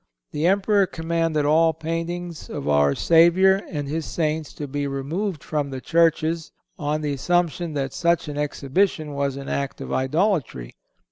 The Emperor commanded all paintings of our Savior and His saints to be removed from the churches on the assumption that such an exhibition was an act of idolatry.